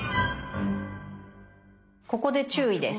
ここで注意です。